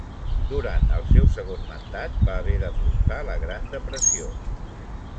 Durant el seu segon mandat va haver d'afrontar la Gran Depressió.